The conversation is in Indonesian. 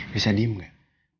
bisa diem kan